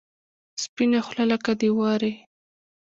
سپینه خوله لکه د ورې.